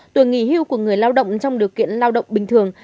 tuổi nghỉ hưu của người lao động trong điều kiện lao động bình thường